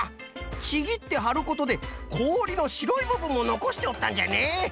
ちぎってはることでこおりのしろいぶぶんをのこしておったんじゃね。